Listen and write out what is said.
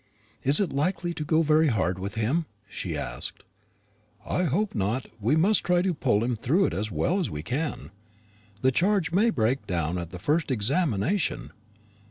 "Is it likely to go very hard with him?" she asked. "I hope not. We must try to pull him through it as well as we can. The charge may break down at the first examination.